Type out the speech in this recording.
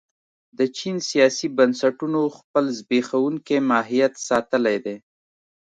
د چین سیاسي بنسټونو خپل زبېښونکی ماهیت ساتلی دی.